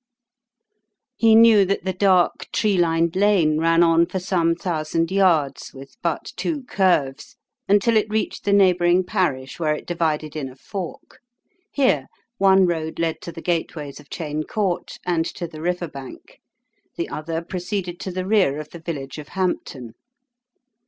He knew that the dark, tree lined lane ran on for some thousand yards, with but two curves, until it reached the neighbouring parish where it divided in a fork. Here one road led to the gateways of Cheyne Court and to the river bank. The other proceeded to the rear of the village of Hampton.